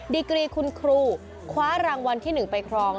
ดีกรีคุณครูคว้ารางวัลที่๑ไปครอง